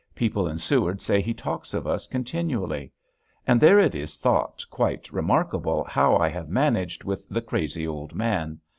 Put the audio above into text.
People in Seward say he talks of us continually. And there it is thought quite remarkable how I have managed with the "crazy" old man.